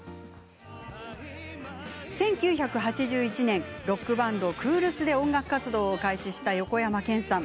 １９８１年ロックバンドクールスで音楽活動を開始した横山剣さん。